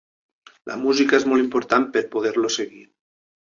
La música és molt important per poder-lo seguir.